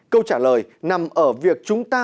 câu trả lời nằm ở việc chúng ta